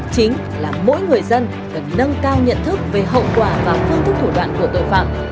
chính là mỗi người dân cần nâng cao nhận thức về hậu quả và phương thức thủ đoạn của tội phạm